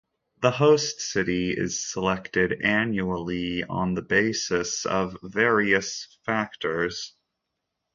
The host city is selected annually on the basis of various factors.